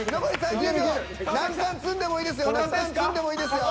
何缶積んでもいいですよ。